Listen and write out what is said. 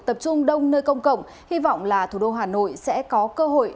tập trung đông nơi công cộng hy vọng là thủ đô hà nội sẽ có cơ hội